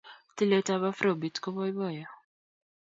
tilet ap afrobeat kopoipoiyo